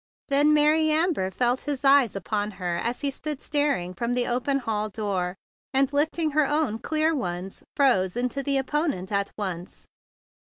Then Mary Amber felt his eyes upon her as he stood staring from the open hall door, and, lifting her own clear ones, froze into the opponent at once.